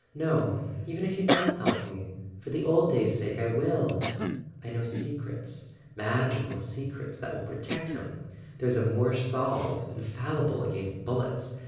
No, even if you don't help me—for the old days' sake, I will! I know secrets ... magical secrets that will protect him. There's a Moorish salve, infallible against bullets